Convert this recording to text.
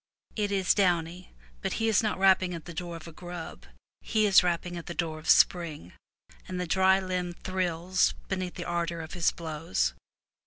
It is downy, but he is not rapping at the door of a grub; he is rapping at the door of spring, and the dry limb thrills beneath the ardor of his blows.